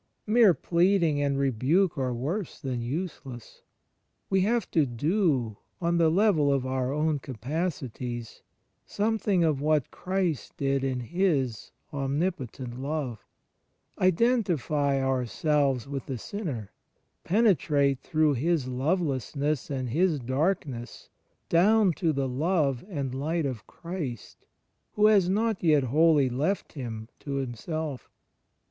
Mere plead ing and rebuke are worse than useless. We have to do, on the level of our own capacities, something of what Christ did in His Omnipotent love — identify ourselves with the sinner, penetrate through his lovelessness and his darkness down to the love and light of Christ Who has not yet wholly left him to himself.